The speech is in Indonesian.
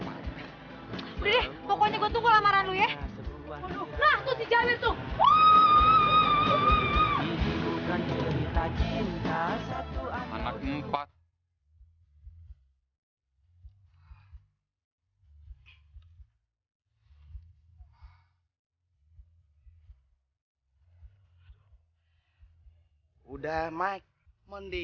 pokoknya gue tunggu lamaran lo ya